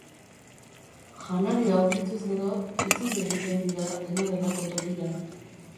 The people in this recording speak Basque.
Janaria aurkituz gero, itzuli egiten dira dena delako tokira.